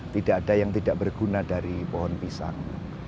tidak ada yang tidak berguna dari pohon pisang